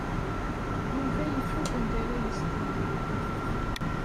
Yuba yufa-d anda ara yezdeɣ.